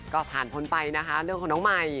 ก็ผ่านพ้นไปนะคะเรื่องของน้องใหม่